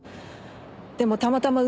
でもたまたま運